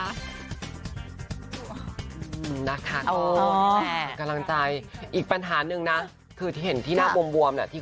อืมนะคะอ๋อกำลังใจอีกปัญหาหนึ่งนะคือที่เห็นที่หน้าบวมบวมเนี่ย